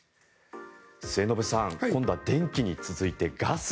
末延さん今度は電気に続いてガス。